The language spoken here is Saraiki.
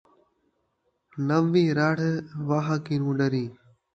نویں رڑھ واہ کنوں ݙریں